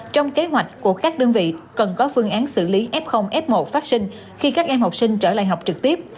trong kế hoạch của các đơn vị cần có phương án xử lý f f một phát sinh khi các em học sinh trở lại học trực tiếp